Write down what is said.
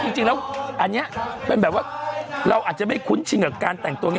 จริงแล้วอันนี้เป็นแบบว่าเราอาจจะไม่คุ้นชินกับการแต่งตัวนี้